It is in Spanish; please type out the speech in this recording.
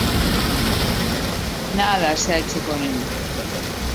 Nada se ha hecho con él.